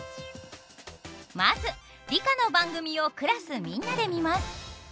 まず理科の番組をクラスみんなで見ます。